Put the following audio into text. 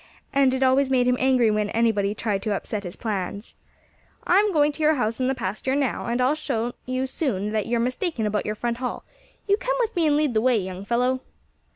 And it always made him angry when anybody tried to upset his plans. "I'm going to your house in the pasture now; and I'll soon show you that you're mistaken about your front hall.... You come with me and lead the way, young fellow!"